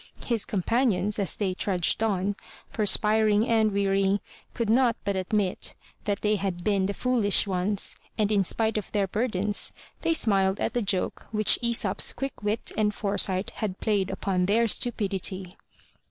His companions, as they trudged on, perspiring and weary, could not but admit that they had been the foolish ones and in spite of their burdens, they smiled at the joke which Aesop's quick wit and foresight had played upon their stupidity.